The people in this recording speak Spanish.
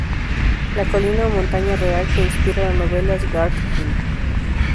La colina o montaña real que inspira la novela es Garth Hill.